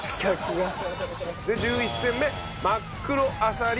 で１１戦目真っ黒あさり